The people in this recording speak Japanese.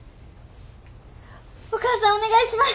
お母さんお願いします。